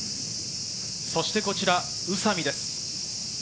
そしてこちら宇佐美です。